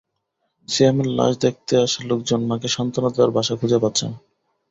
সিয়ামের লাশ দেখতে আসা লোকজন মাকে সান্ত্বনা দেওয়ার ভাষা খুঁজে পাচ্ছে না।